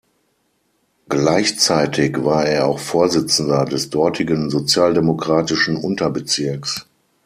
Gleichzeitig war er auch Vorsitzender des dortigen sozialdemokratischen Unterbezirks.